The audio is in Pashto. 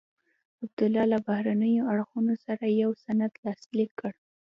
عبدالله له بهرنیو اړخونو سره یو سند لاسلیک کړ.